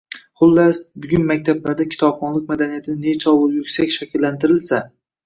Xullas, bugun maktablarda kitobxonlik madaniyati nechog‘li yuksak shakllantirilsa